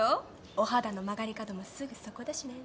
お肌の曲がり角もすぐそこだしね。